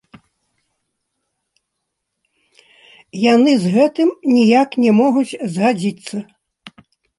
Яны з гэтым ніяк не могуць згадзіцца.